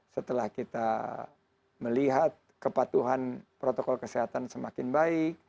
setelah kita melihat kepatuhan protokol kesehatan semakin baik